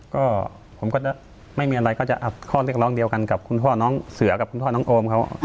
ก็ผมก็จะไม่มีอะไรก็จะอัดข้อเรียกร้องเดียวกันกับคุณพ่อน้องเสือกับคุณพ่อน้องโอมเขา